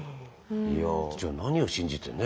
じゃあ何を信じてね。